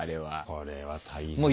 これは大変だ。